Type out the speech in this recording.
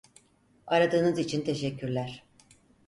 Aradığınız için teşekkürler.